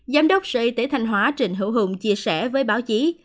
giám đốc sở y tế thanh hóa trịnh hữu hùng chia sẻ với báo chí